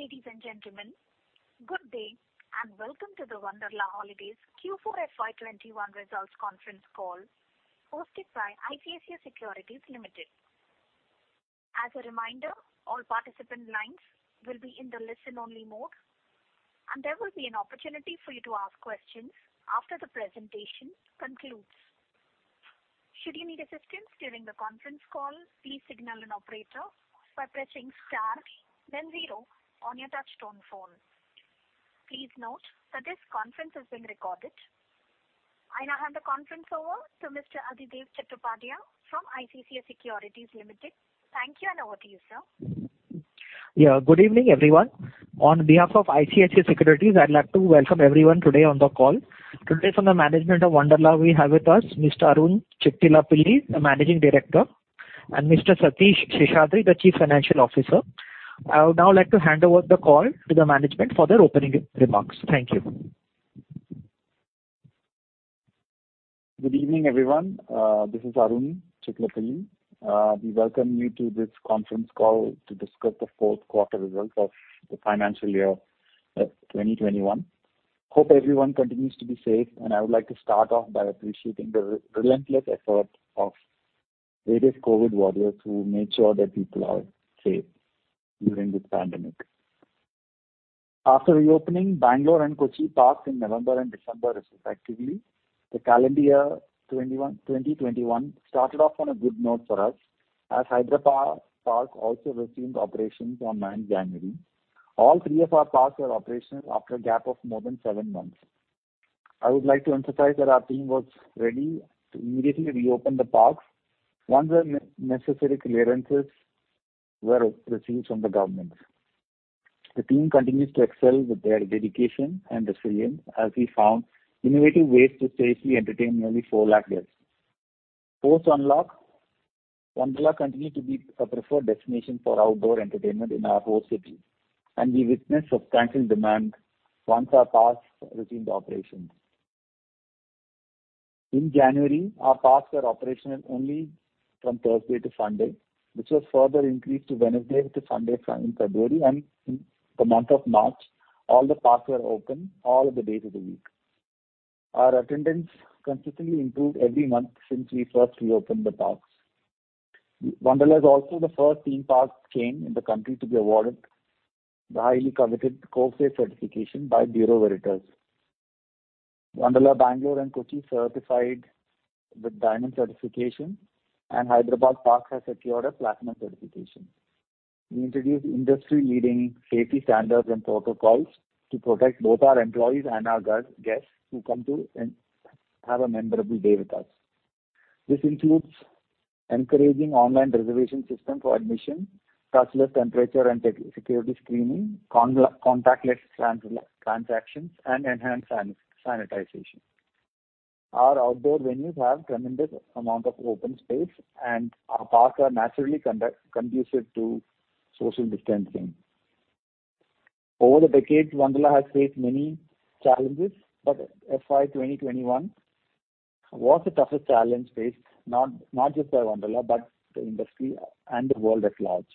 Ladies and gentlemen, good day and welcome to the Wonderla Holidays Q4 FY 2021 results conference call hosted by ICICI Securities Limited. I now hand the conference over to Mr. Adhidev Chattopadhyay from ICICI Securities Limited. Thank you, and over to you, sir. Yeah. Good evening, everyone. On behalf of ICICI Securities, I'd like to welcome everyone today on the call. Today from the management of Wonderla, we have with us Mr. Arun Chittilappilly, the Managing Director, and Mr. Satheesh Seshadri, the Chief Financial Officer. I would now like to hand over the call to the management for their opening remarks. Thank you. Good evening, everyone. This is Arun Chittilappilly. We welcome you to this conference call to discuss the Q4 results of the financial year 2021. Hope everyone continues to be safe, and I would like to start off by appreciating the relentless effort of various COVID warriors who made sure that people are safe during this pandemic. After reopening Bangalore and Kochi parks in November and December respectively, the calendar year 2021 started off on a good note for us as Hyderabad park also resumed operations on January 9th. All three of our parks were operational after a gap of more than seven months. I would like to emphasize that our team was ready to immediately reopen the parks once the necessary clearances were received from the government. The team continues to excel with their dedication and resilience as we found innovative ways to safely entertain nearly 4 lakh guests. Post-unlock, Wonderla continued to be a preferred destination for outdoor entertainment in our host city. We witnessed substantial demand once our parks resumed operations. In January, our parks were operational only from Thursday to Sunday, which was further increased to Wednesday to Sunday from February. In the month of March, all the parks were open all the days of the week. Our attendance consistently improved every month since we first reopened the parks. Wonderla is also the first theme park chain in the country to be awarded the highly coveted COV-Safe certification by Bureau Veritas. Wonderla Bangalore and Kochi certified with diamond certification. Hyderabad Park has secured a platinum certification. We introduced industry-leading safety standards and protocols to protect both our employees and our guests who come to have a memorable day with us. This includes encouraging online reservation system for admission, touchless temperature and security screening, contactless transactions, and enhanced sanitization. Our outdoor venues have tremendous amount of open space, and our parks are naturally conducive to social distancing. Over the decades, Wonderla has faced many challenges, but FY 2021 was the toughest challenge faced, not just by Wonderla, but the industry and the world at large.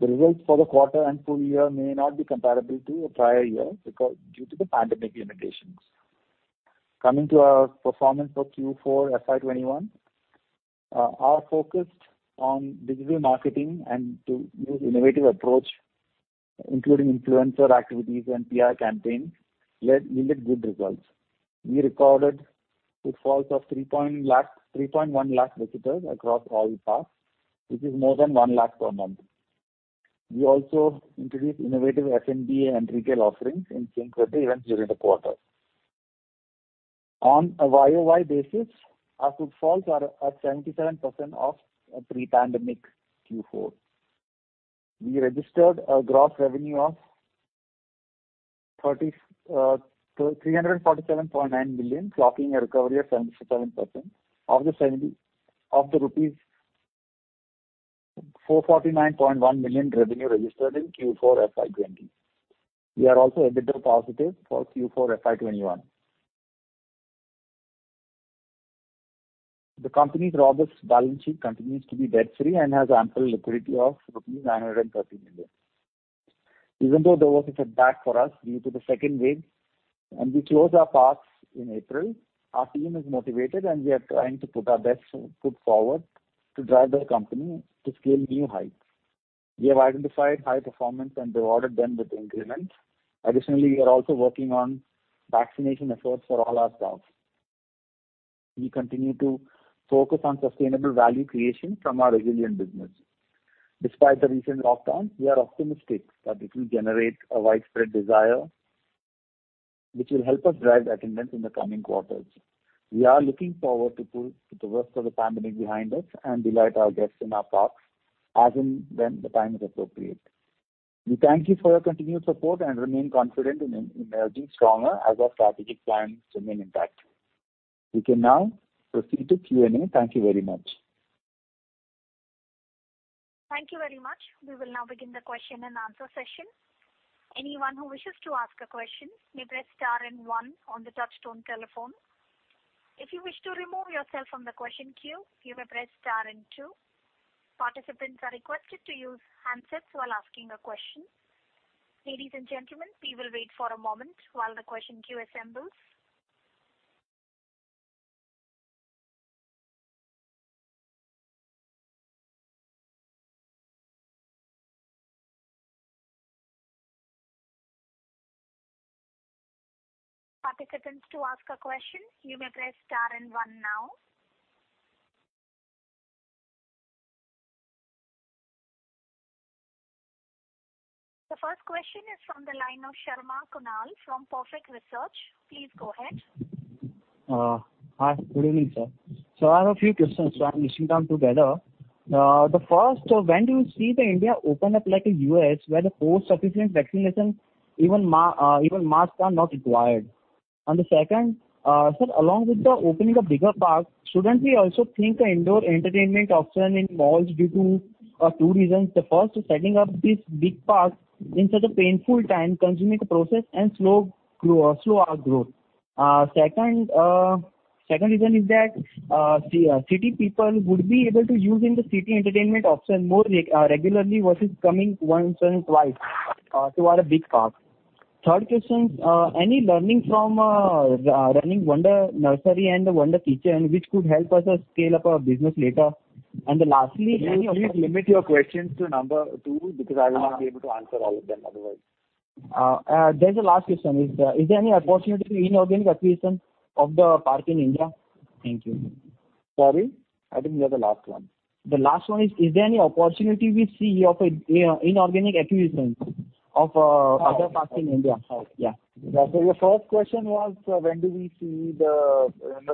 The results for the quarter and full year may not be comparable to the prior year due to the pandemic limitations. Coming to our performance for Q4 FY2021, our focus on digital marketing and innovative approach, including influencer activities and PR campaigns, yielded good results. We recorded footfalls of 3.1 lakh visitors across all parks, which is more than 1 lakh per month. We also introduced innovative F&B and retail offerings in theme parks during the quarter. On a YOY basis, our footfalls are at 77% of pre-pandemic Q4. We registered a gross revenue of 347.9 million, clocking a recovery of 77% of the 449.1 million rupees revenue registered in Q4 FY20. We are also EBITDA positive for Q4 FY21. The company's balance sheet continues to be debt-free and has ample liquidity of rupees 930 million. Even though the road is a bit bad for us due to the second wave, and we closed our parks in April, our team is motivated, and we are trying to put our best foot forward to drive the company to scale new heights. We have identified high performance and rewarded them with increments. Additionally, we are also working on vaccination efforts for all our staff. We continue to focus on sustainable value creation from our resilient business. Despite the recent lockdown, we are optimistic that it will generate a widespread desire that will help us drive attendance in the coming quarters. We are looking forward to put the worst of the pandemic behind us and delight our guests in our parks as and when the time is appropriate. We thank you for your continued support and remain confident in emerging stronger as our strategic plans remain intact. We can now proceed to Q&A. Thank you very much. Thank you very much. We will now begin the question and answer session. Anyone who wishes to ask a question may press star and one on the touchtone telephone. If you wish to remove yourself from the question queue, you may press star and two. Participants are requested to use handsets while asking a question. Ladies and gentlemen, we will wait for a moment while the question queue assembles. Participants to ask a question, you may press star and one now. The first question is from the line of Sharma Kunal from Perfect Research. Please go ahead. Hi. Good evening, sir. I have a few questions, I'm listing them together. The first, when do you see India open up like the U.S., where the post-sufficient vaccination, even masks are not required? The second, sir, along with the opening of bigger parks, shouldn't we also think indoor entertainment option in malls due to two reasons? The first is setting up this big park in such a painful time-consuming process and slow our growth. Second reason is that city people would be able to use in the city entertainment option more regularly versus coming once and twice toward a big park. Third question, any learning from running Wonder Nursery and the Wonder Kitchen, which could help us scale up our business later? Lastly. Please limit your questions to number two because I will not be able to answer all of them otherwise. There's a last question. Is there any opportunity for inorganic acquisition of the park in India? Thank you. Sorry, I didn't hear the last one. The last one is there any opportunity we see of inorganic acquisitions of other parks in India? Your first question was, when do we see the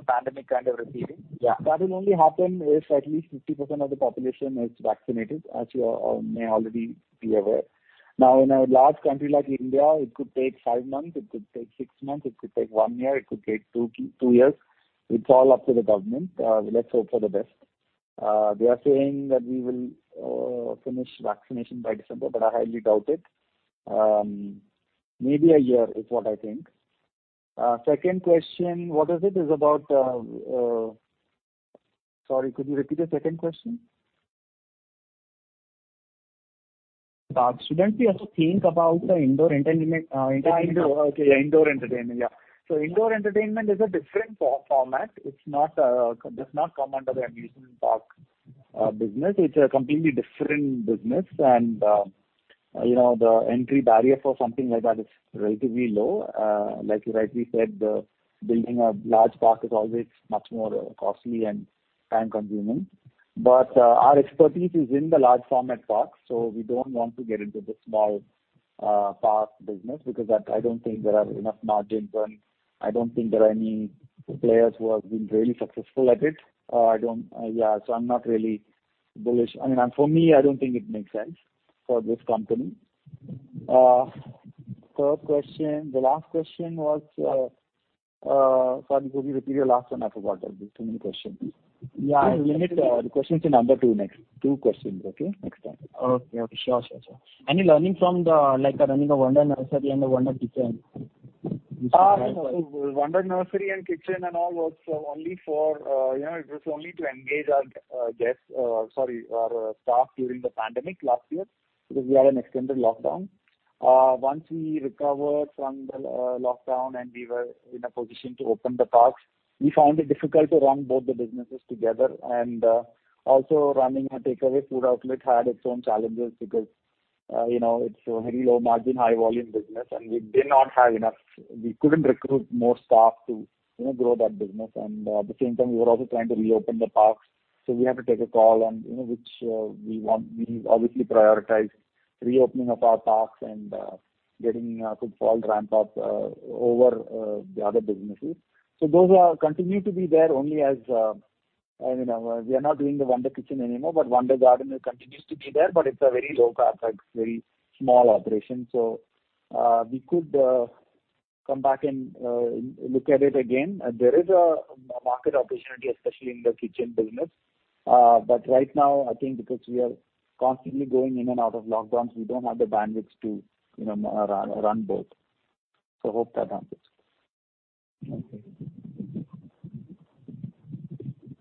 pandemic kind of receding? Yeah. That will only happen if at least 50% of the population is vaccinated, as you all may already be aware. In a large country like India, it could take five months, it could take six months, it could take one year, it could take two years. It's all up to the government. Let's hope for the best. They are saying that we will finish vaccination by December, I highly doubt it. Maybe a year is what I think. Second question, what is it? Could you repeat the second question? Shouldn't we also think about the indoor entertainment? Okay, indoor entertainment. Indoor entertainment is a different format. It does not come under the amusement park business. It's a completely different business, and the entry barrier for something like that is relatively low. Like you rightly said, building a large park is always much more costly and time-consuming. Our expertise is in the large format parks, so we don't want to get into the small park business because I don't think there are enough margins, and I don't think there are any players who have been really successful at it. I'm not really bullish. I mean, for me, I don't think it makes sense for this company. Third question. The last question was? Sorry, could you repeat your last one? I forgot. There's been too many questions. Yeah. Limit the questions to number two next. Two questions, okay. Next time. Okay. Sure. Any learning from the running of Wonder Nursery and the Wonder Kitchen? Wonder Nursery and Wonder Kitchen and all was only to engage our staff during the pandemic last year because we had an extended lockdown. Once we recovered from the lockdown and we were in a position to open the parks, we found it difficult to run both the businesses together. Also running a takeaway food outlet had its own challenges because it's a very low margin, high volume business, and we couldn't recruit more staff to grow that business. At the same time, we were also trying to reopen the parks. We had to take a call on which we obviously prioritized reopening of our parks and getting a footfall ramp up over the other businesses. Those continue to be there only as We are not doing the Wonder Kitchen anymore, but Wonder Garden continues to be there, but it's a very low card, very small operation. We could come back and look at it again. There is a market opportunity, especially in the kitchen business. Right now, I think because we are constantly going in and out of lockdowns, we don't have the bandwidth to run both. Hope that answers. Okay.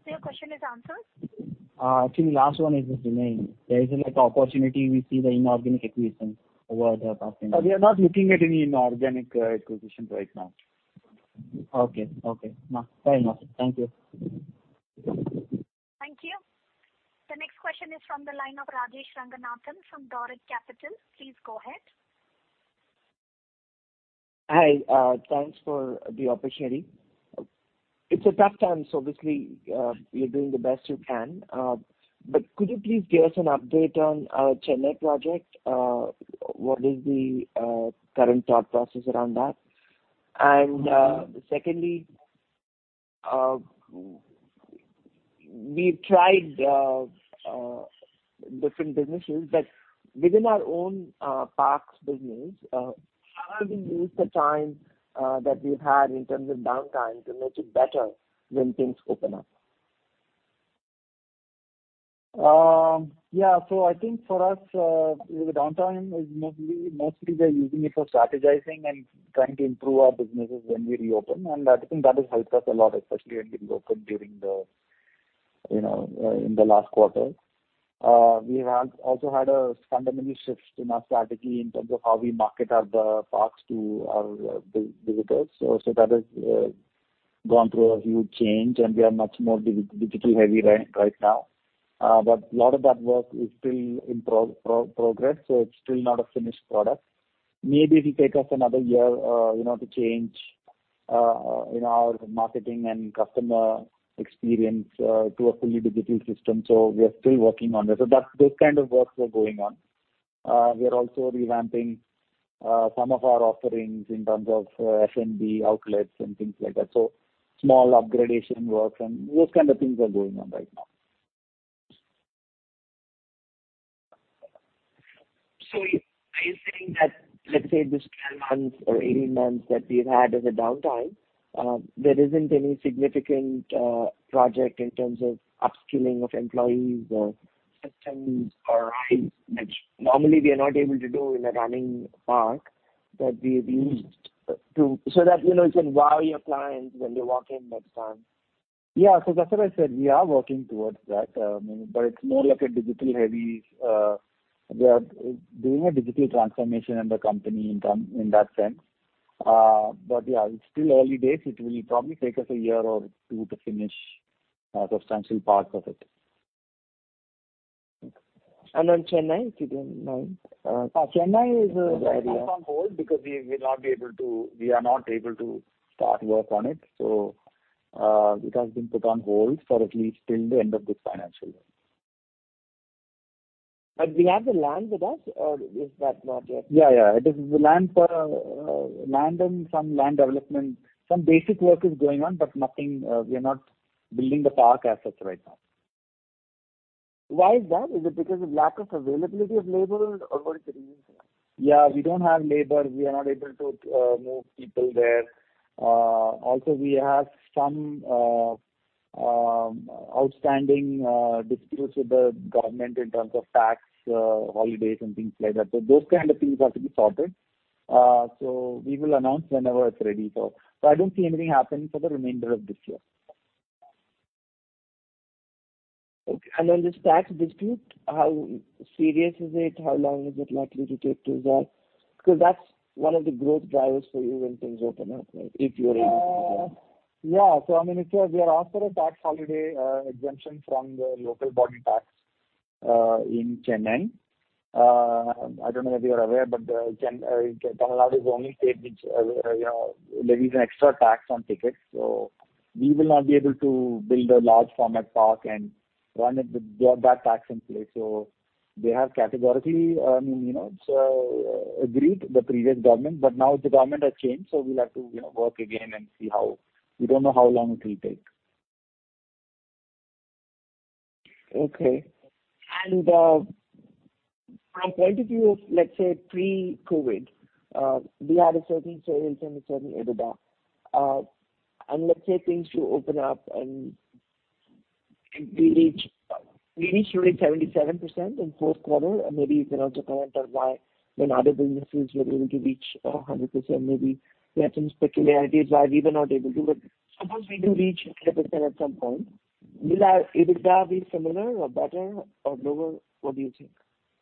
Your question is answered? Actually, last one is remaining. There is like opportunity we see the inorganic acquisition over the past- We are not looking at any inorganic acquisitions right now. Okay. Fair enough. Thank you. Thank you. The next question is from the line of Rajesh Ranganathan from Doric Capital. Please go ahead. Hi. Thanks for the opportunity. It's a tough time, so obviously, you're doing the best you can. Could you please give us an update on Chennai project? What is the current thought process around that? Secondly, we've tried different businesses, but within our own parks business, how have we used the time that we've had in terms of downtime to make it better when things open up? I think for us, the downtime is mostly we're using it for strategizing and trying to improve our businesses when we reopen, and I think that has helped us a lot, especially at the local during the last quarter. We have also had fundamental shifts in our strategy in terms of how we market the parks to our visitors. That has gone through a huge change, and we are much more digitally heavy right now. A lot of that work is still in progress, so it's still not a finished product. Maybe it will take us another year to change our marketing and customer experience to a fully digital system. We are still working on it, but that kind of works are going on. We are also revamping some of our offerings in terms of F&B outlets and things like that. Small upgradation work and those kind of things are going on right now. Are you saying that, let's say, this three months or eight months that we've had as a downtime, there isn't any significant project in terms of upskilling of employees or systems or IT, which normally we are not able to do in a running park? That you can wow your clients when you walk in next time. Yeah, that's what I said, we are working towards that. It's more like a digital transformation in the company in that sense. Yeah, it's still early days. It will probably take us a year or two to finish a substantial part of it. Chennai, if you don't mind. Chennai is put on hold because we are not able to start work on it. It has been put on hold for at least till the end of this financial year. Do you have the land with us or is that not there? Yeah. It is land and some land development. Some basic work is going on, but we are not building the park as of right now. Why is that? Is it because of lack of availability of labor or what's the reason? Yeah, we don't have labor. We are not able to move people there. We have some outstanding disputes with the government in terms of tax holidays and things like that. Those kind of things have to be sorted. We will announce whenever it's ready, though. I don't see anything happening for the remainder of this year. Okay. This tax dispute, how serious is it? How long is it likely to take to resolve? That's one of the growth drivers for you when things open up, if you're able to resolve. Yeah. I mean, we asked for a tax holiday exemption from the local body tax in Chennai. I don't know if you're aware, but Tamil Nadu is the only state which levies an extra tax on tickets. We will not be able to build a large format park and run it with that tax in place. They have categorically agreed the previous government, but now the government has changed, so we'll have to work again and see how. We don't know how long it will take. Okay. From point of view of, let's say, pre-COVID, we had a certain sales and a certain EBITDA. Let's say things do open up and we reach 77% in Q4, and maybe you can also comment on why when other businesses were able to reach 100%, maybe certain peculiarities why we were not able to. Suppose we do reach 70% at some point, is that be similar or better or lower? What do you think?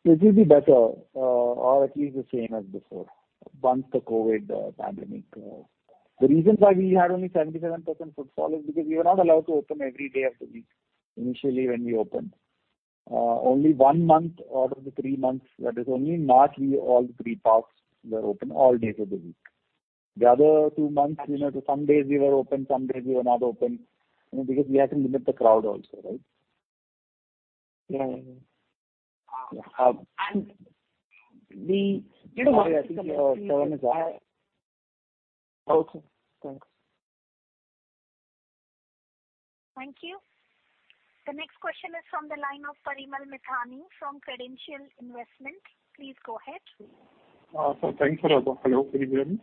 It will be better or at least the same as before, once the COVID pandemic. The reason why we had only 77% footfall is because we were not allowed to open every day of the week initially when we opened. Only one month out of the three months, that is only March, all three parks were open all days of the week. The other two months, some days we were open, some days we were not open because we had to limit the crowd also, right? Yeah. Yeah. Do you have a sense of? Sorry. Okay, thanks. Thank you. The next question is from the line of Farimal Mithani from Credential Investment. Please go ahead. Hello, can you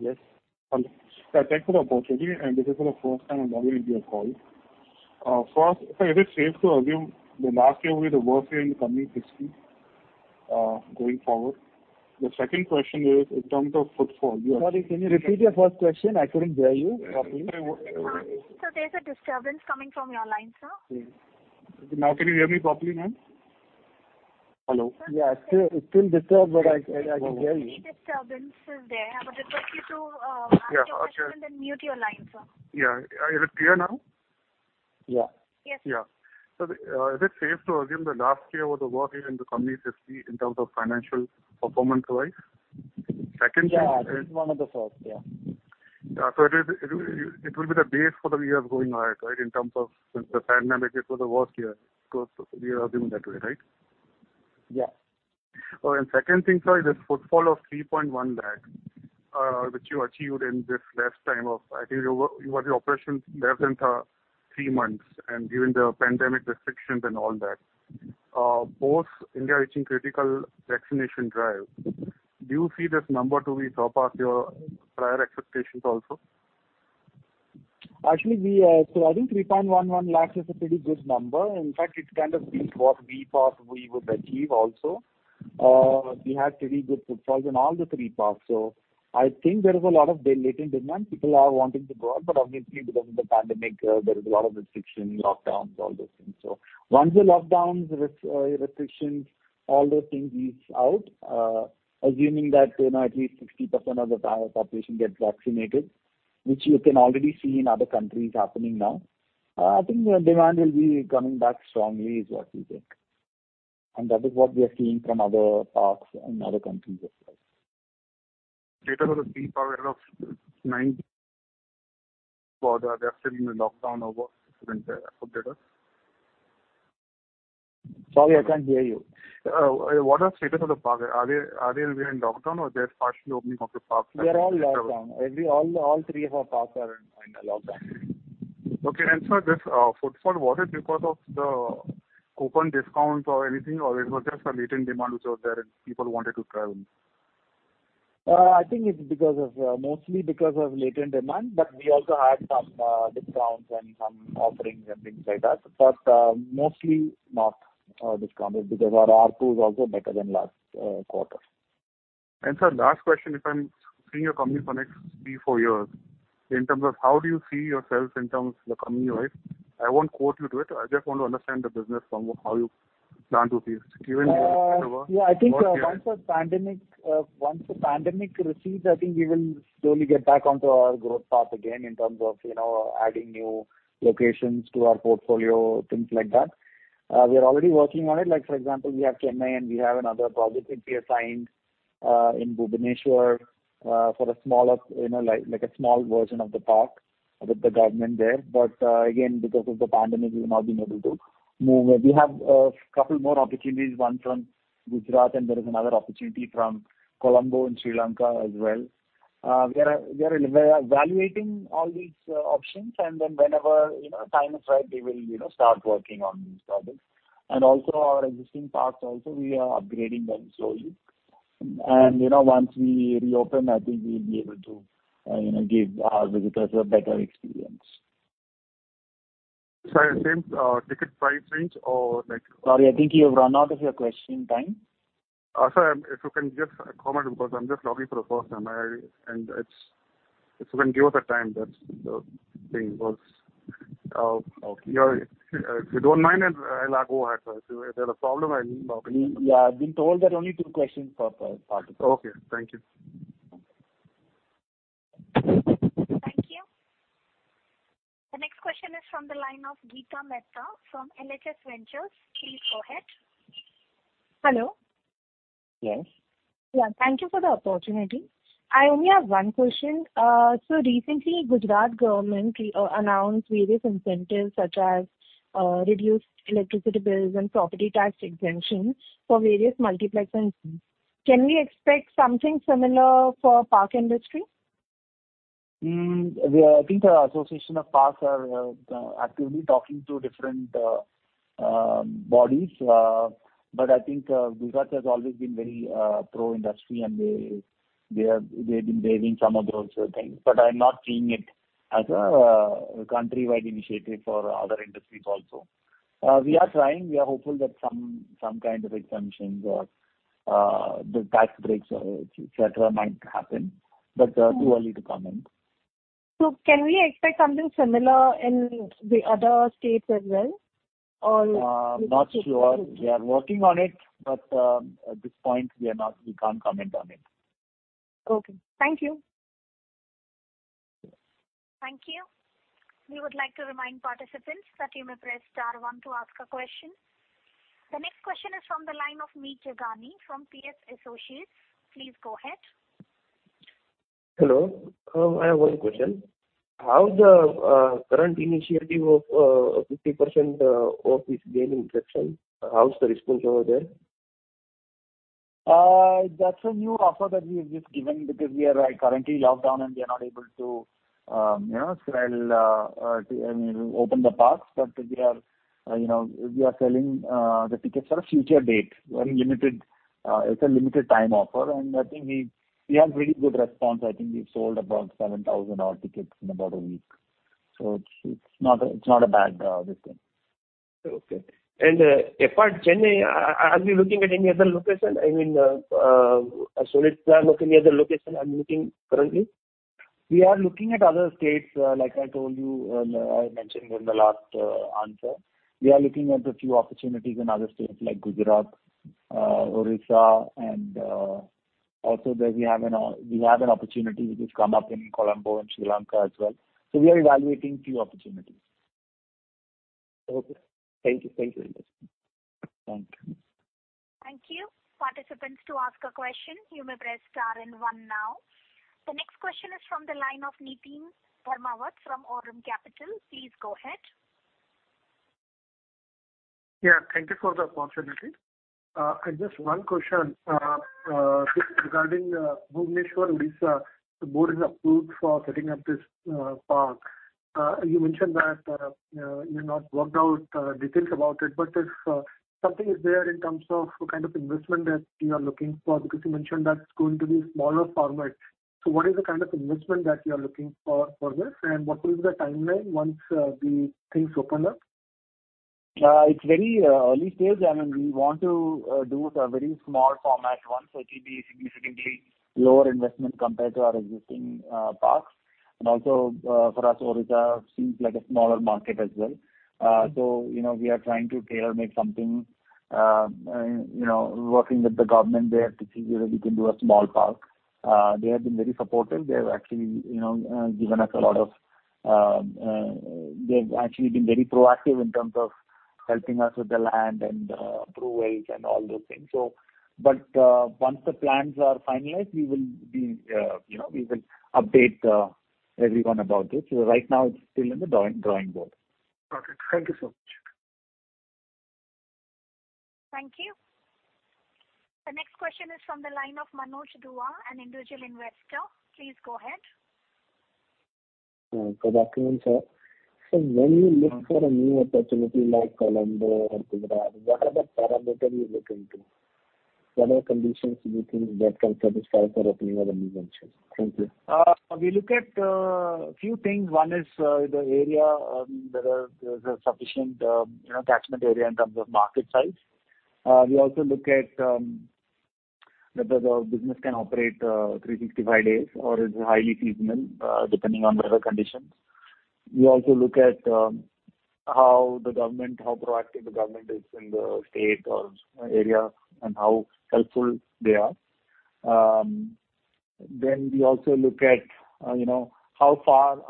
hear me? Yes. Hello. Thank you for the opportunity. This is the first time I'm joining your call. First, is it safe to assume that last year was the worst year in the company's history going forward? The second question is in terms of footfall- Sorry, can you repeat your first question? I couldn't hear you properly. Sir, there's a disturbance coming from your line, sir. Now can you hear me properly, ma'am? Hello. Yeah, still disturbed, but I can hear you. Disturbance is there, but if you could mute your line, sir. Yeah. Is it clear now? Yeah. Yes. Yeah. Is it safe to assume that last year was the worst year in the company's history in terms of financial performance-wise? Yeah, it is one of the worst, yeah. Yeah. It will be the base for the years going ahead, right? In terms of since the pandemic, it was the worst year. We are assuming that way, right? Yeah. Second thing, sorry, this footfall of 3.1 lakh, which you achieved in this less time of, I think you had your operations less than three months and during the pandemic restrictions and all that. Both India and China critical vaccination drive. Do you see this number to be top up your prior expectations also? Actually, I think 3.11 lakhs is a pretty good number. In fact, it kind of beats what we thought we would achieve also. We had pretty good footfalls in all the three parks. I think there is a lot of latent demand. People are wanting to go out, obviously because of the pandemic, there is a lot of restriction, lockdowns, all those things. Once the lockdowns, the restrictions, all those things ease out, assuming that at least 60% of the total population gets vaccinated, which you can already see in other countries happening now, I think the demand will be coming back strongly is what we think. That is what we are seeing from other parks in other countries as well. Status of the park as of lockdown. Sorry, I can't hear you. What is the status of the park? Are they remaining lockdown or they're partially opening of the parks? They're all lockdown. All three of our parks are in a lockdown. Okay. Sir, this footfall, was it because of the coupon discounts or anything, or it was just the latent demand which was there and people wanted to travel? I think it's mostly because of latent demand, but we also had some discounts and some offerings and things like that. Mostly not discounts, because our ARPU is also better than last quarter. Sir, last question. If I'm seeing your company for next three, four years, in terms of how do you see yourselves in terms of the coming years? I won't quote you to it. I just want to understand the business. Yeah, I think once the pandemic recedes, I think we will slowly get back onto our growth path again in terms of adding new locations to our portfolio, things like that. We're already working on it. Like for example, we have Chennai and we have another project we have signed in Bhubaneswar, like a small version of the park with the government there. Again, because of the pandemic, we've not been able to move it. We have a couple more opportunities, one from Gujarat and there's another opportunity from Colombo in Sri Lanka as well. We are evaluating all these options. Whenever the time is right, we will start working on these projects. Also our existing parks also, we are upgrading them slowly. Once we reopen, I think we'll be able to give our visitors a better experience. Sir, ticket price range or like. Sorry, I think you've run out of your question time. Sir, if you can just comment because I'm just talking for the first time, and if you can give us the time, that's the thing. If you don't mind, I'll go ahead, sir. Is that a problem? We are being told there are only two questions per participant. Okay. Thank you. Thank you. The next question is from the line of Deepa Mehta from NHS Ventures. Please go ahead. Hello. Yes. Yeah, thank you for the opportunity. I only have one question. Recently Gujarat government announced various incentives such as reduced electricity bills and property tax exemptions for various multiplexes. Can we expect something similar for park industry? I think the association of parks are actively talking to different bodies. I think Gujarat has always been very pro-industry, and they've been giving some of those things, but I'm not seeing it as a countrywide initiative for other industries also. We are trying, we are hopeful that some kind of exemptions or tax breaks, et cetera, might happen, but too early to comment. Can we expect something similar in the other states as well? Not sure. We are working on it, but at this point we can't comment on it. Okay. Thank you. Thank you. We would like to remind participants that you may press star one to ask a question. The next question is from the line of Meeta Gani from PS Associates. Please go ahead. Hello. I have one question. How the current initiative of 50% off is gaining traction? How's the response over there? That's a new offer that we have just given because we are currently locked down, and we are not able to open the parks, but we are selling the tickets for a future date. It's a limited time offer, and I think we had really good response. I think we sold about 7,000 odd tickets in about a week. It's not a bad thing. Okay. Apart Chennai, are you looking at any other location? I mean, sorry, sir, looking at other location currently? We are looking at other states, like I told you, I mentioned in the last answer. We are looking at a few opportunities in other states like Gujarat, Odisha, and also we have an opportunity which has come up in Colombo, in Sri Lanka as well. We are evaluating few opportunities. Okay. Thank you. Thanks for your time. Thank you. Thank you. Participants to ask a question, you may press star one now. The next question is from the line of Nitin Verma from Aurum Capital. Please go ahead. Thank you for the opportunity. I've just one question regarding Bhubaneswar, Odisha. The board is approved for setting up this park. You mentioned that you've not worked out the details about it, but if something is there in terms of kind of investment that you are looking for, because you mentioned that's going to be smaller format. What is the kind of investment that you're looking for this, and what will be the timeline once the things open up? It's very early stage. We want to do a very small format one, so it will be significantly lower investment compared to our existing parks. Also for us, Odisha seems like a smaller market as well. We are trying to tailor-make something, working with the government there to see whether we can do a small park. They have been very supportive. They've actually been very proactive in terms of helping us with the land and approvals and all those things. Once the plans are finalized, we will update everyone about it. Right now it's still in the drawing board. Okay. Thank you so much. Thank you. The next question is from the line of Manoj Dua, an individual investor. Please go ahead. Good afternoon, sir. When you look for a new opportunity like Colombo or Hyderabad, what are the parameters you look into? What are the conditions you think that can satisfy for opening of a new venture? Thank you. We look at a few things. One is the area, whether there's a sufficient catchment area in terms of market size. We also look at whether the business can operate 365 days or is it highly seasonal, depending on weather conditions. We also look at how proactive the government is in the state or area, and how helpful they are. We also look at how close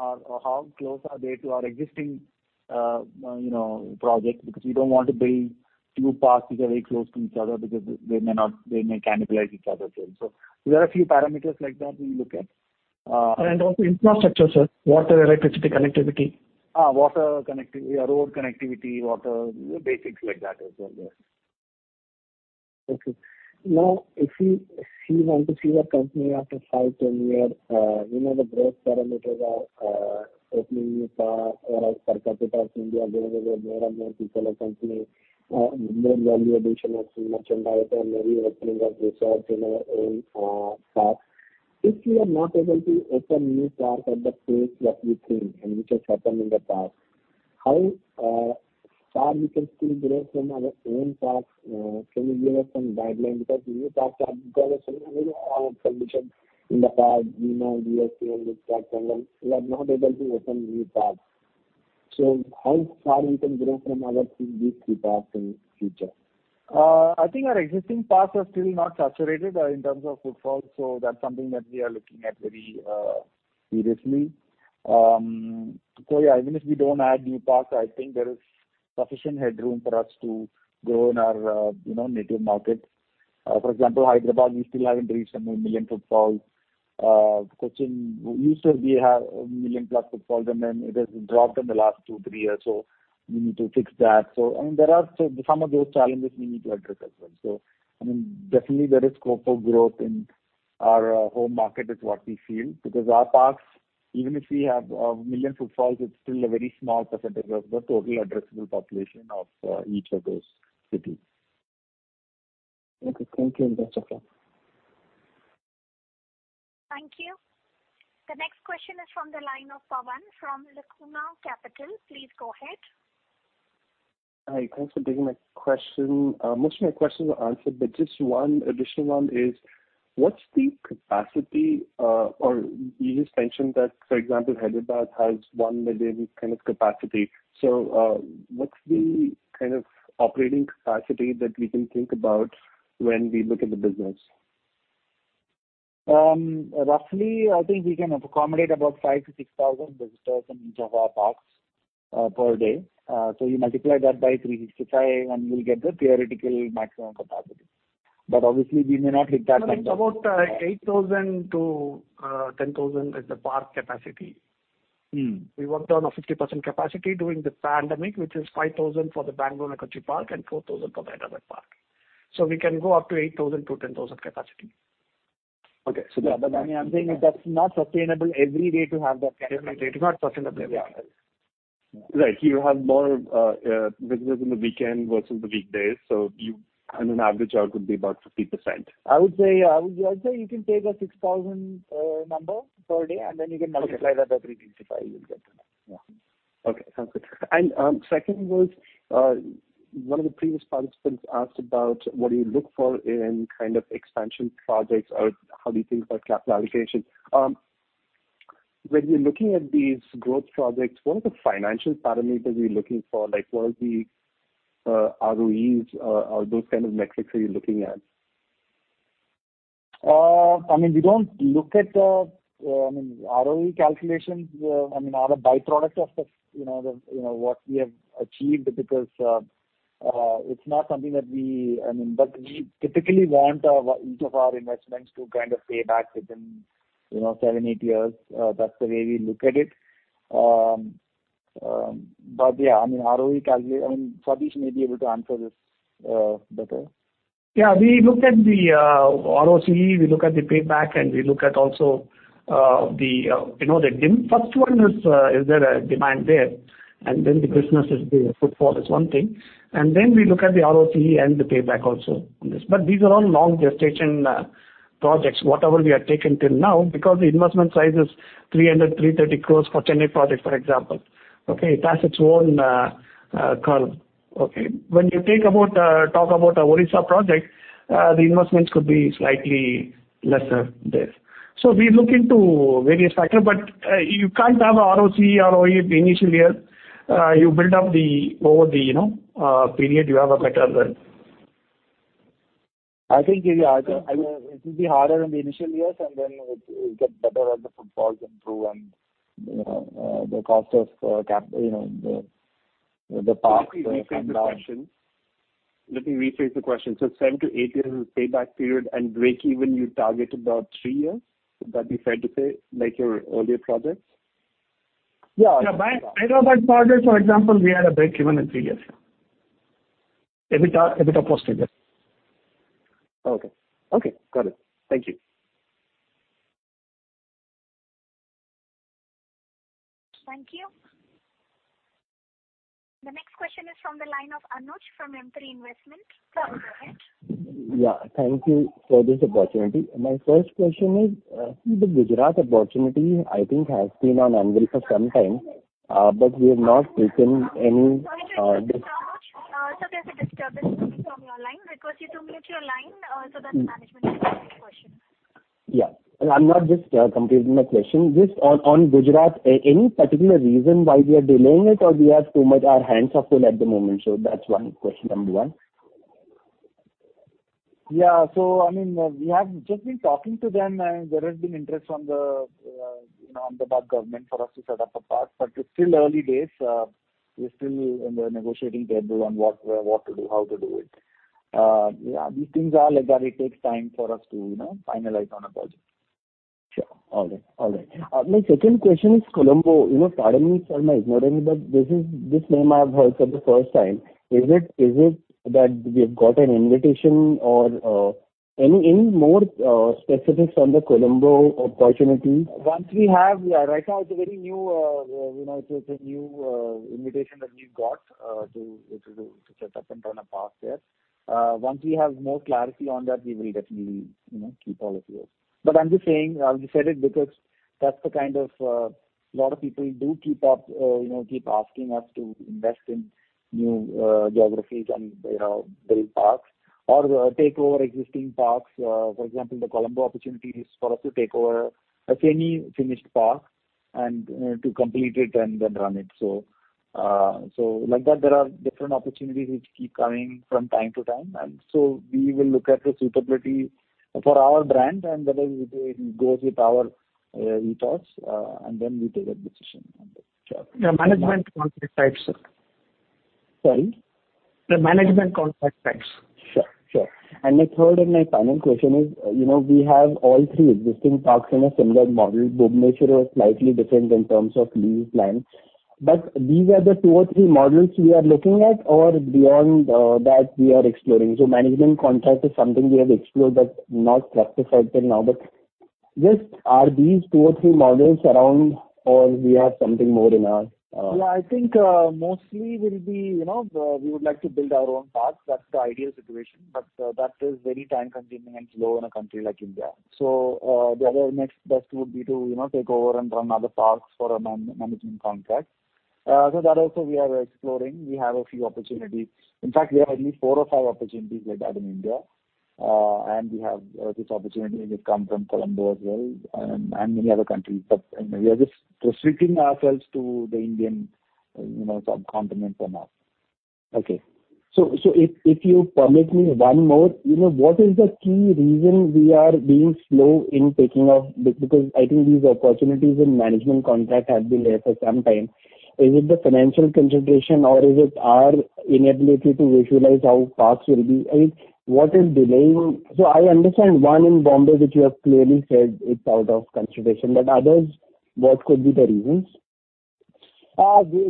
are they to our existing project, because we don't want to build two parks which are very close to each other because they may cannibalize each other's sales. There are a few parameters like that we look at. Also infrastructure, sir. Water, electricity, connectivity. Road connectivity, water. Basics like that as well, yes. Now, if we want to see your company after five, 10 years, we know the growth parameters are opening new parks around per capita of India. There are more and more people are coming in. More value addition of merchandise, maybe opening of resorts in our own parks. If we are not able to open new parks at the pace that we think, which has happened in the past, how far we can still grow from our own parks? Can you give us some guideline? New parks are growing slowly. I mean, all are conditions in the park, Mumbai, Delhi, and Bangalore are not able to open new parks. How far we can grow from our these three parks in future? I think our existing parks are still not saturated in terms of footfalls, that's something that we are looking at very seriously. Even if we don't add new parks, I think there is sufficient headroom for us to grow in our native markets. For example, Hyderabad, we still haven't reached one million footfalls. Kochi, we used to have one million-plus footfalls, then it has dropped in the last two, three years. We need to fix that. There are some of those challenges we need to address as well. Definitely there is scope for growth in our home market is what we feel. Because our parks, even if we have one million footfalls, it's still a very small percentage of the total addressable population of each of those cities. Okay. Thank you. Best of luck. Thank you. The next question is from the line of Pawan from Lacuna Capital. Please go ahead. Hi, thanks for taking my question. Most of my questions were answered, but just one additional one is, what's the capacity or you just mentioned that, for example, Hyderabad has one million kind of capacity. What's the kind of operating capacity that we can think about when we look at the business? Roughly, I think we can accommodate about 5,000-6,000 visitors in each of our parks per day. You multiply that by 365, you'll get the theoretical maximum capacity. Obviously, we may not hit that number. About 8,000-10,000 is the park capacity. We worked on a 50% capacity during the pandemic, which is 5,000 for the Bangalore Kochi Park and 4,000 for Hyderabad Park. We can go up to 8,000-10,000 capacity. Okay. I'm saying that's not sustainable every day to have that capacity. It is not sustainable every day. Right. You have more visitors on the weekend versus the weekdays. On average, that could be about 50%. I would say you can take a 6,000 number per day, and then you can multiply that by 365, you'll get that. Okay. Sounds good. Second was, one of the previous participants asked about what do you look for in kind of expansion projects, or how do you think about capital allocation. When you're looking at these growth projects, what are the financial parameters you're looking for? Like what are the ROE or those kind of metrics are you looking at? We don't look at the ROE calculations. Are a by-product of what we have achieved because it's not something that we typically want each of our investments to kind of pay back within seven, eight years. That's the way we look at it. Yeah, ROE calculation. Satheesh may be able to answer this better. Yeah. We look at the ROCE, we look at the payback, and we look at also the dem. First one is there a demand there? The business is the footfall is one thing. We look at the ROCE and the payback also on this. These are all long gestation projects, whatever we have taken till now, because the investment size is 300 crores, 330 crores for Chennai project, for example. Okay? It has its own curve. Okay. When you talk about the Orissa project, the investments could be slightly lesser there. We look into various factors, but you can't have an ROC ROI in the initial years. You build up over the period, you have a better return. I think it will be harder in the initial years and then it'll get better as the footfalls improve and the cost of the park comes down. Let me rephrase the question. 7-8 years is the payback period and breakeven you target about three years? Is that what you said, like your earlier projects? Yeah. Hyderabad Park project, for example, we had a breakeven in three years. EBITDA positive. Okay. Got it. Thank you. Thank you. The next question is from the line of Anuj from Emkay Investments. Go ahead. Thank you for this opportunity. My first question is, I think the Gujarat opportunity, I think has been on Emkay for some time but we have not taken any- Sorry, Mr. Anuj. There's a disturbance coming from your line. Request you to mute your line so that management can answer your question. Yeah. I'm not just completing my question. Just on Gujarat, any particular reason why we are delaying it or we have too much our hands are full at the moment? That's one question number one. We have just been talking to them, and there has been interest from the Ahmedabad government for us to set up a park. It is still early days. We are still in the negotiating table on what to do, how to do it. These things are like that. It takes time for us to finalize on a project. Sure. All right. My second question is Colombo. Suddenly this name I've heard for the first time. Is it that we have got an invitation or any more specifics on the Colombo opportunity? Right now, it's a new invitation that we got to set up and run a park there. Once we have more clarity on that, we will definitely keep all of you. I'm just saying, I've said it because a lot of people do keep asking us to invest in new geographies and build parks or take over existing parks. For example, the Colombo opportunity is for us to take over a semi-finished park and to complete it and then run it. Like that, there are different opportunities which keep coming from time to time, we will look at the suitability for our brand, and whether it goes with our ethos, and then we take a decision on that. Sure. The management contract type, sir. Sorry. The management contract types. Sure. The third and my final question is, we have all three existing parks in a similar model. Bhubaneswar is slightly different in terms of lease land, but these are the two or three models we are looking at or beyond that we are exploring. Management contract is something we have explored but not satisfied till now. Just are these two or three models around or we have something more in our- I think mostly we would like to build our own parks. That's the ideal situation, but that is very time-consuming and slow in a country like India. The next best would be to take over and run other parks for a management contract. That also we are exploring. We have a few opportunities. In fact, we have at least four or five opportunities like that in India. We have this opportunity which come from Colombo as well and many other countries. We are just restricting ourselves to the Indian subcontinent for now. Okay. If you permit me one more. What is the key reason we are being slow in taking off? I think these opportunities in management contract have been there for some time. Is it the financial consideration or is it our inability to visualize how parks will be? I mean, what is delaying? I understand one in Bombay, which you have clearly said is out of consideration, but others, what could be the reasons?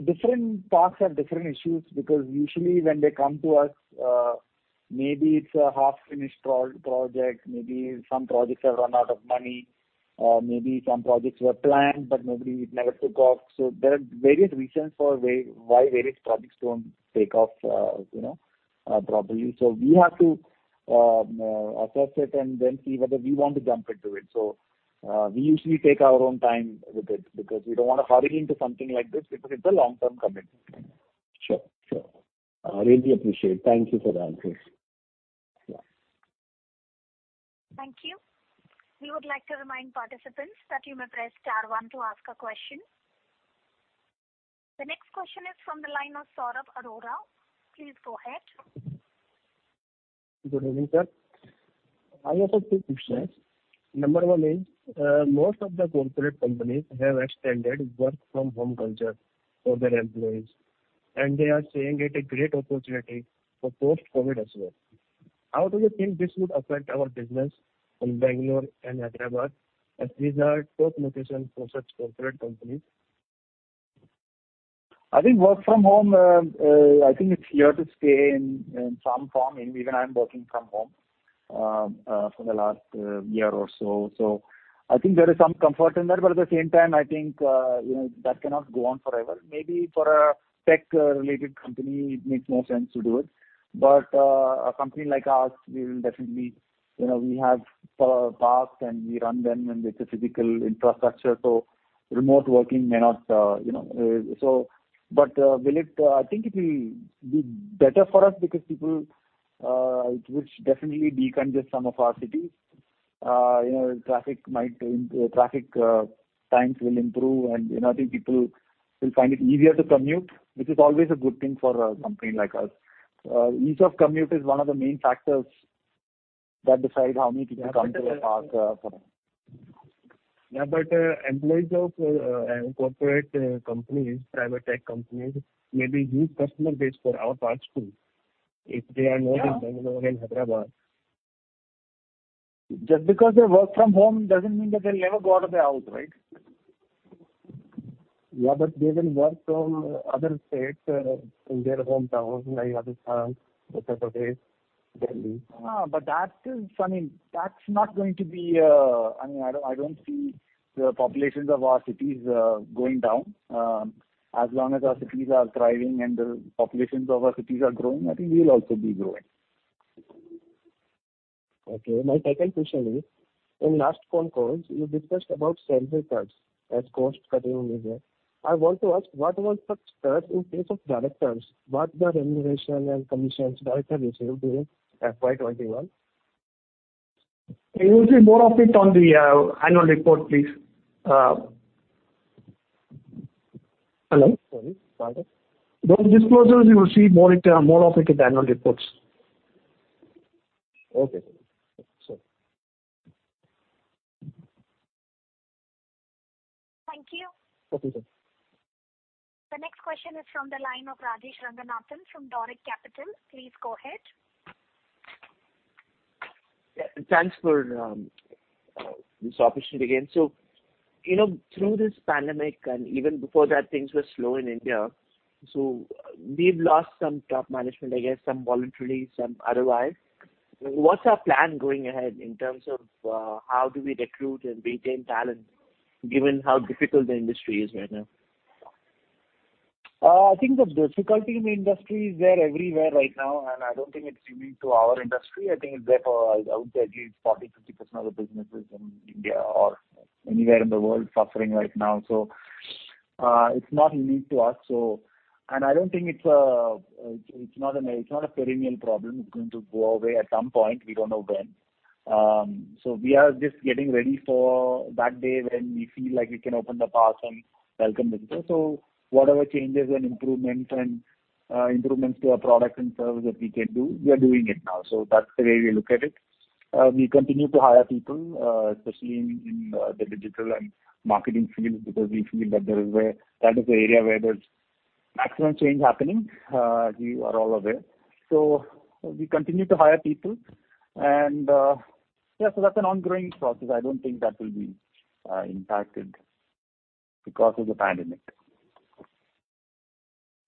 Different parks have different issues because usually when they come to us, maybe it's a half-finished project, maybe some projects have run out of money, maybe some projects were planned, but nobody, it never took off. There are various reasons for why various projects don't take off properly. We have to assess it and then see whether we want to jump into it. We usually take our own time with it because we don't want to hurry into something like this because it's a long-term commitment. Sure. Really appreciate. Thank you for the answers. Yeah. Thank you. We would like to remind participants that you may press star one to ask a question. The next question is from the line of Saurabh Arora. Please go ahead. Good evening, sir. I have a few questions. Number one is, most of the corporate companies have extended work from home culture for their employees, and they are saying it a great opportunity for post-COVID as well. How do you think this will affect our business in Bangalore and Hyderabad, as these are top locations for such corporate companies? I think work from home, it's here to stay in some form. Even I'm working from home for the last year or so. I think there is some comfort in that, but at the same time, I think that cannot go on forever. Maybe for a tech-related company, it makes more sense to do it. A company like ours, we have parks and we run them, and it's a physical infrastructure. Remote working may not. I think it will be better for us because it will definitely decongest some of our cities. Traffic times will improve, and I think people will find it easier to commute, which is always a good thing for a company like us. Ease of commute is one of the main factors that decide how many people come to our parks. Yeah, employees of corporate companies, private tech companies, may be huge customer base for outdoor too, if they are living in Hyderabad. Just because they work from home doesn't mean that they never go out of their house, right? Yeah, they will work from other states, in their hometowns, like Uttar Pradesh, Delhi. I don't see the populations of our cities going down. Long as our cities are thriving and the populations of our cities are growing, I think we'll also be growing. My second question is, in last conference you discussed about salary cuts as cost-cutting measure. I want to ask what was the cut in case of directors? What's their remuneration and commissions directors received in FY 2021? You will see more of it on the annual report, please. Hello, sorry. Those disclosures, you will see more of it in annual reports. Okay. Sure. Thank you. Okay. The next question is from the line of Rajesh Ranganathan from Doric Capital. Please go ahead. Thanks for this opportunity again. Through this pandemic, and even before that, things were slow in India. We've lost some top management, I guess, some voluntarily, some otherwise. What's our plan going ahead in terms of how do we recruit and retain talent given how difficult the industry is right now? I think the difficulty in the industry is there everywhere right now, and I don't think it's unique to our industry. I think it's there for, I would say at least 40%, 50% of the businesses in India or anywhere in the world suffering right now. It's not unique to us. I don't think it's a perennial problem, it's going to go away at some point. We don't know when. We are just getting ready for that day when we feel like we can open the parks and welcome people. Whatever changes and improvements to our products and services that we can do, we are doing it now. That's the way we look at it. We continue to hire people, especially in the digital and marketing field, because we feel that is the area where there's maximum change happening, as you are all aware. We continue to hire people and, yeah, that's an ongoing process. I don't think that will be impacted because of the pandemic.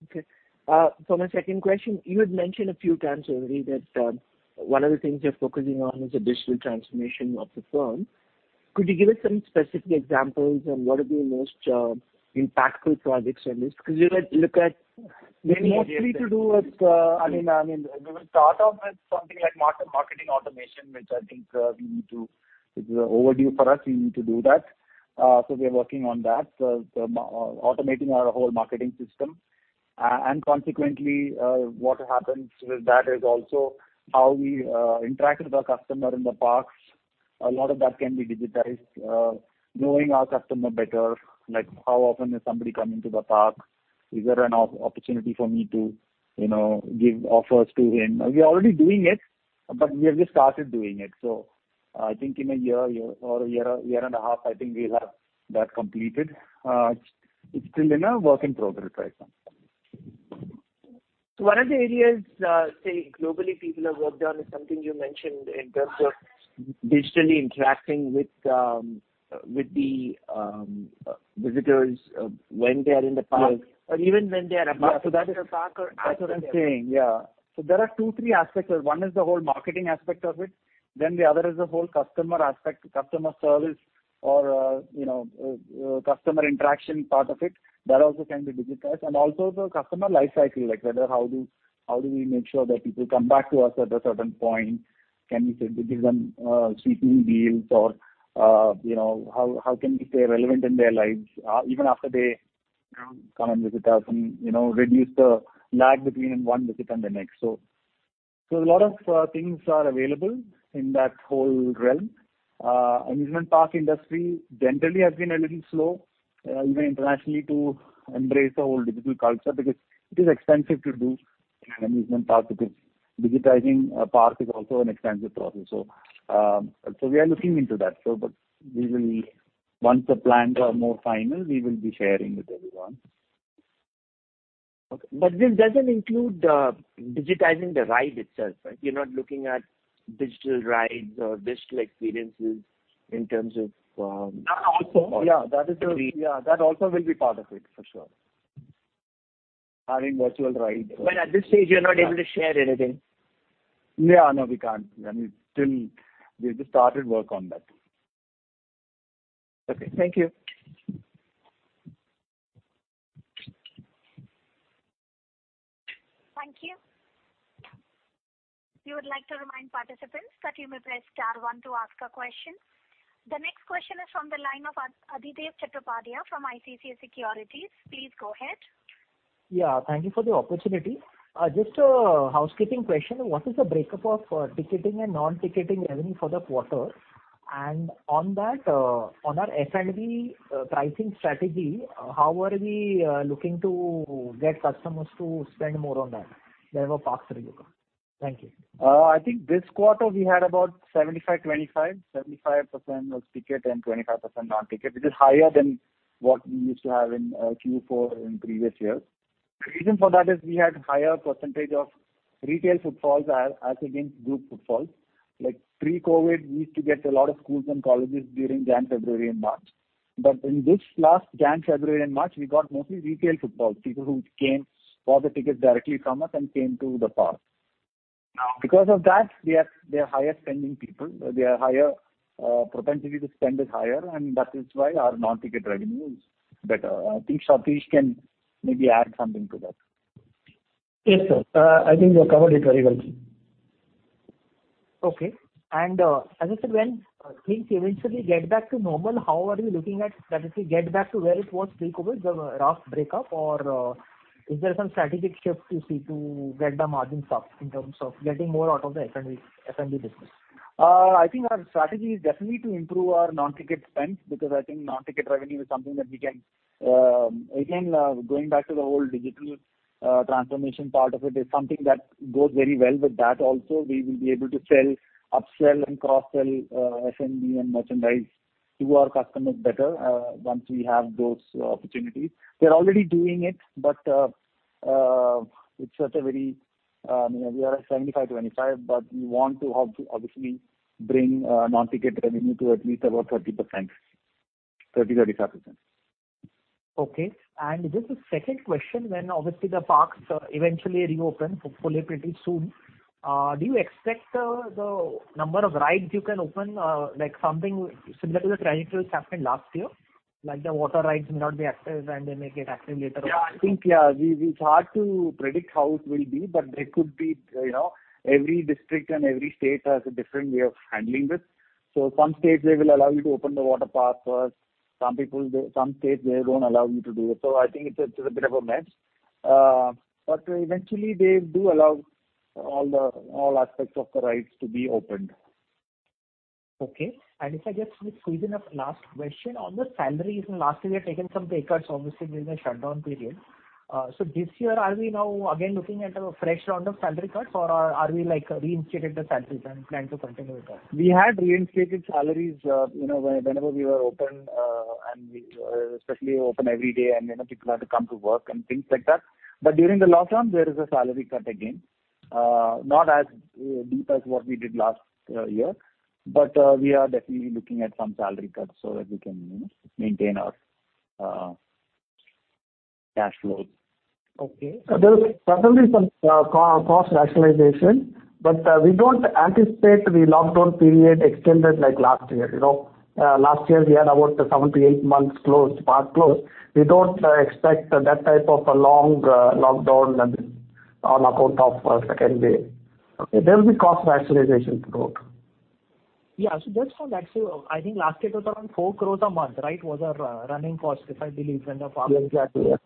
Okay. For my second question, you had mentioned a few times already that one of the things you're focusing on is the digital transformation of the firm. Could you give us some specific examples on what are the most impactful projects in this? We will start off with something like marketing automation, which I think it is overdue for us. We need to do that. We are working on that. Automating our whole marketing system and consequently what happens with that is also how we interact with our customer in the parks. A lot of that can be digitized. Knowing our customer better, like how often is somebody coming to the park? Is there an opportunity for me to give offers to him? We're already doing it, but we have just started doing it. I think in a year or a year and a half, I think we'll have that completed. It's still in a work in progress right now. One of the areas, say, globally, people have worked on is something you mentioned in terms of digitally interacting with the visitors when they're in the park. That's what I'm saying. Yeah. There are two, three aspects of it. One is the whole marketing aspect of it, then the other is the whole customer aspect, customer service or customer interaction part of it. That also can be digitized and also the customer life cycle. How do we make sure that people come back to us at a certain point? Can we give them sweetening deals or how can we stay relevant in their lives even after they come and visit us and reduce the lag between one visit and the next? A lot of things are available in that whole realm. Amusement park industry generally has been a little slow internationally to embrace the whole digital culture because it is expensive to do in an amusement park because digitizing a park is also an expensive process. We are looking into that. Once the plans are more final, we will be sharing with everyone. Okay. This doesn't include digitizing the ride itself, right? You're not looking at digital rides or digital experiences in terms of- That also- Yeah. That also will be part of it for sure. I mean virtual rides. At this stage you're not able to share anything? Yeah. No, we can't. I mean, we just started work on that. Okay. Thank you. Thank you. We would like to remind participants that you may press star one to ask a question. The next question is from the line of Adhidev Chattopadhyay from ICICI Securities. Please go ahead. Yeah, thank you for the opportunity. Just a housekeeping question. What is the breakup of ticketing and non-ticketing revenue for the quarter? On that, on our F&B pricing strategy, how are we looking to get customers to spend more on that when the parks reopen? Thank you. I think this quarter we had about 75/25. 75% was ticket and 25% non-ticket, which is higher than what we used to have in Q4 in previous years. The reason for that is we had higher percentage of retail footfalls as against group footfalls. Like pre-COVID, we used to get a lot of schools and colleges during January, February and March. In this last January, February and March, we got mostly retail footfalls, people who came, bought the tickets directly from us and came to the park. Because of that, they are higher spending people. Their propensity to spend is higher, and that is why our non-ticket revenue is better. I think Satheesh can maybe add something to that. Yes, sir. I think you have covered it very well. Okay. As I said, when things eventually get back to normal, how are you looking at that it will get back to where it was pre-COVID, the rough breakup? Is there some strategic shift you see to get the margins up in terms of getting more out of the F&B business? I think our strategy is definitely to improve our non-ticket spends, because I think non-ticket revenue, again, going back to the whole digital transformation part of it, is something that goes very well with that also. We will be able to sell, upsell and cross-sell F&B and merchandise to our customers better once we have those opportunities. We are already doing it, but we are at 75/25, but we want to obviously bring non-ticket revenue to at least about 30%, 30%-35%. Okay. Just a second question, when obviously the parks eventually reopen, hopefully pretty soon, do you expect the number of rides you can open, like something similar to the tragedies happened last year? Like the water rides may not be active and they may get active later. Yeah, I think it is hard to predict how it will be, but there could be every district and every state has a different way of handling this. Some states, they will allow you to open the water parks first. Some states, they don't allow you to do it. I think it is a bit of a mess. Eventually they do allow all aspects of the rides to be opened. Okay. If I just squeeze in a last question on the salaries. Last year, you had taken some pay cuts, obviously during the shutdown period. This year, are we now again looking at a fresh round of salary cuts or are we like reinstated the salaries and plan to continue with that? We had reinstated salaries whenever we were open, and especially open every day and people had to come to work and things like that. During the lockdowns, there is a salary cut again. Not as deep as what we did last year. We are definitely looking at some salary cuts so that we can maintain our cash flow. Okay. There will certainly be some cost rationalization, but we don't anticipate the lockdown period extended like last year. Last year we had about 7-8 months closed, park closed. We don't expect that type of a long lockdown on account of a second wave. There will be cost rationalization though. Yeah. Just for that, I think last year it was around 4 crores a month, right. Was our running cost, if I believe when the park. Exactly, yeah.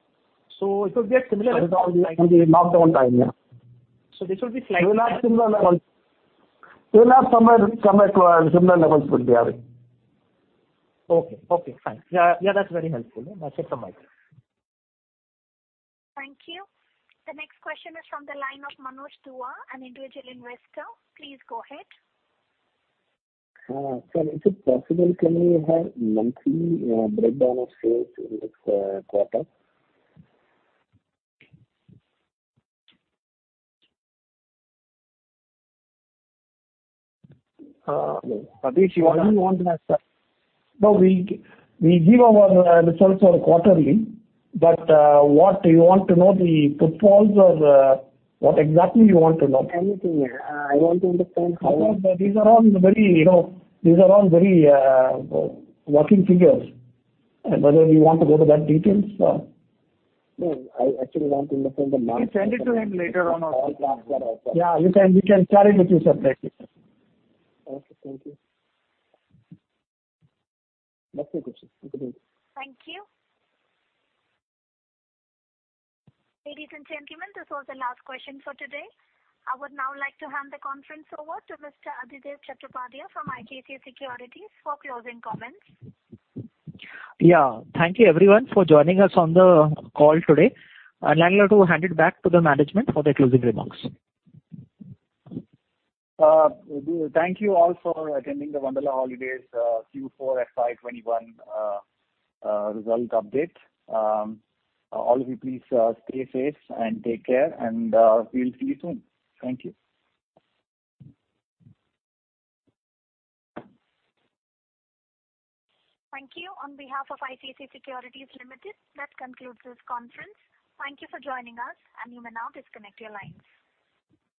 So it will be a similar- It will be lockdown time, yeah. This will be slightly We will have similar levels. We will have somewhat similar levels. Okay. Fine. Yeah, that's very helpful. I'll set the mic. Thank you. The next question is from the line of Manoj Dua, an individual investor. Please go ahead. Sir, is it possible, can we have monthly breakdown of sales in this quarter? Satheesh. What do you want? No, we give our results quarterly, but what you want to know the footfalls or what exactly you want to know? Anything. I want to understand how. These are all very working figures. Whether you want to go to that details? No, I actually want to understand the market. We send it to him later on also. Yeah, we can share it with you separately. Okay, thank you. That's the question. Thank you. Ladies and gentlemen, this was the last question for today. I would now like to hand the conference over to Mr. Adhidev Chattopadhyay from ICICI Securities for closing comments. Yeah. Thank you everyone for joining us on the call today. I'd like to hand it back to the management for the closing remarks. Thank you all for attending the Wonderla Holidays Q4 FY 2021 result update. All of you please stay safe and take care and we'll see you soon. Thank you. Thank you. On behalf of ICICI Securities Limited, that concludes this conference. Thank you for joining us and you may now disconnect your lines.